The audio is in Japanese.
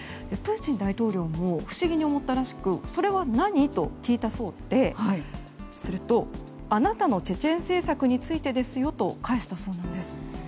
プーチン大統領も不思議に思ったらしくそれは何？と聞いたそうですると、あなたのチェチェン政策についてですよと返したそうなんです。